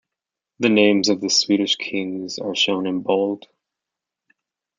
The names of Swedish kings are shown in bold.